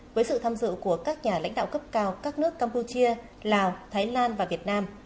với sự tham dự của các nhà lãnh đạo cấp cao các nước campuchia lào thái lan và việt nam